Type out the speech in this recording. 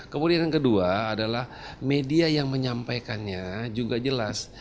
kemudian yang kedua adalah media yang menyampaikannya juga jelas